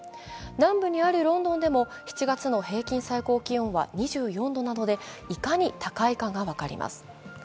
南部にあるロンドンでも７月の平均最高気温は２４度なのでいかに高いかが分かります。